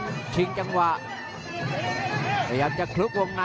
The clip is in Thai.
อื้อหือจังหวะขวางแล้วพยายามจะเล่นงานด้วยซอกแต่วงใน